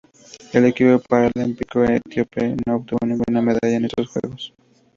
El equipo paralímpico etíope no obtuvo ninguna medalla en estos Juegos.